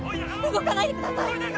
動かないでください！